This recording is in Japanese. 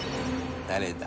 「誰だ？」